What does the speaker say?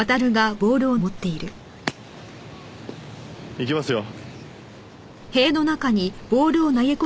いきますよ。